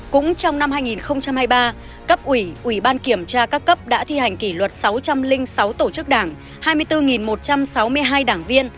cũng trong năm hai nghìn hai mươi ba cấp ủy ủy ban kiểm tra các cấp đã thi hành kỷ luật sáu trăm linh sáu tổ chức đảng hai mươi bốn một trăm sáu mươi hai đảng viên